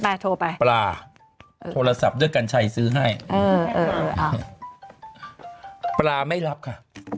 โทรไปปลาโทรศัพท์ด้วยกัญชัยซื้อให้เออเออปลาไม่รับค่ะ